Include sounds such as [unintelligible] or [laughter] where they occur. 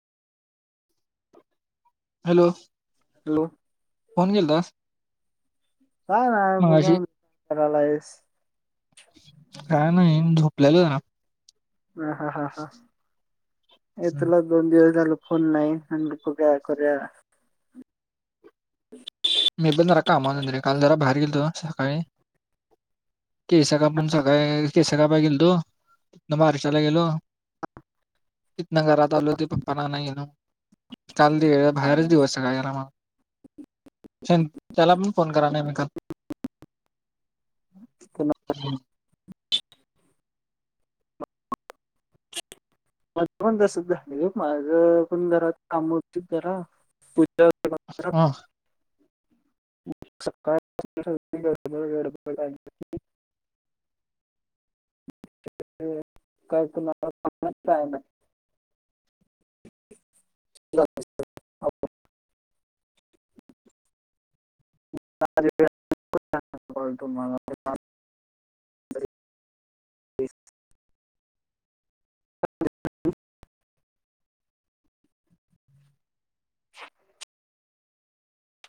Hello. Hello. Phone केलता? काय नाही, बघावं म्हण [unintelligible] काय नाही, झोपलेलो [unintelligible] ह हा हा हा, हे हम्म. तुला दोन दिवस झालं फोन नाही. [unintelligible] बघूया, करूया. मी पण जरा कामा [unintelligible] काल जरा बाहेर गेलतो सकाळी. केस कापून सकाळी, केस कापायला गेलतो, तिथंन बारशाला गेलो. तिथंन घरात आलो. ती पप्पांना आणायला गेलो, काल बाहेरच दिवस सगळा गेला मा त्याला पण फोन करा [unintelligible] माझं पण तसंच झालय, माझं पण घरात काम होती जरा. हा [unintelligible] सकाळ [unintelligible] गडबड [unintelligible] [unintelligible] [unintelligible] तेच. ह [inaudible] ह [inaudible]